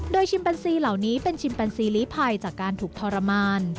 โดยชิมแปนซีเหล่านี้เป็นชิมแปนซีลีภัยจากการถูกทรมาน